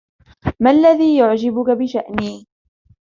ما الذي يعجبك بشأني؟